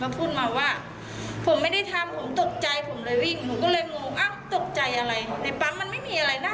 พูดมาว่าผมไม่ได้ทำผมตกใจผมเลยวิ่งผมก็เลยงงอ้าวตกใจอะไรในปั๊มมันไม่มีอะไรนะ